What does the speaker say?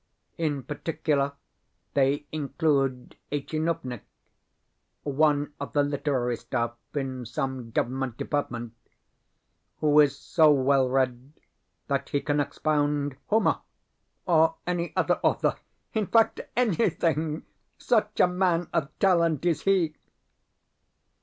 In particular they include a tchinovnik (one of the literary staff in some government department), who is so well read that he can expound Homer or any other author in fact, ANYTHING, such a man of talent is he!